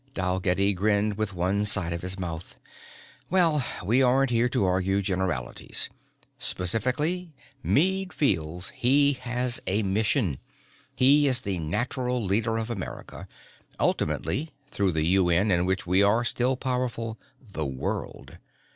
Dalgetty grinned with one side of his mouth. "Well, we aren't here to argue generalities. Specifically Meade feels he has a mission. He is the natural leader of America ultimately, through the U.N., in which we are still powerful, the world.